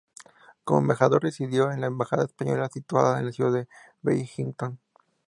Como embajador residió en la embajada española situada en la ciudad de Wellington.